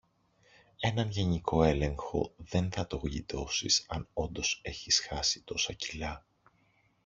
έναν γενικό έλεγχο δεν θα το γλιτώσεις αν όντως έχεις χάσει τόσα κιλά